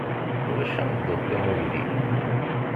Ulac ameddakel am uydi.